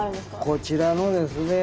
こちらのですね